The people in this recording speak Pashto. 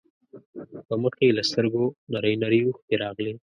په مخ يې له سترګو نرۍ نرۍ اوښکې راغلې.